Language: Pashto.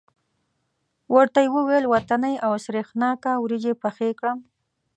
ورته یې وویل وطنۍ او سرېښناکه وریجې پخې کړم.